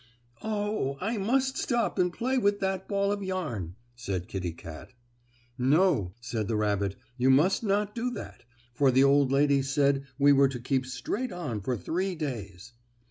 "Oh, I must stop and play with that ball of yarn," said Kittie Kat. "No," said the rabbit, "you must not do that, for the old lady said we were to keep straight on for three days."